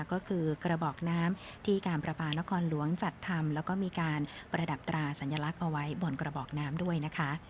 ก็คือกระบอกน้ำที่การประปานครหลวงจัดทำแล้วก็มีการประดับตราสัญลักษณ์เอาไว้บนกระบอกน้ำด้วยนะคะ